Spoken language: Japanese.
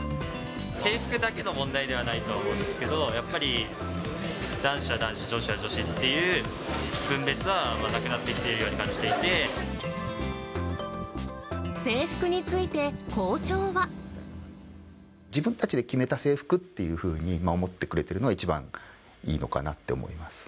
制服だけの問題ではないと思うんですけど、やっぱり男子は男子、女子は女子っていう分別はあんまなくなってきているように感じて制服について、自分たちで決めた制服っていうふうに思ってくれてるのが、一番いいのかなと思います。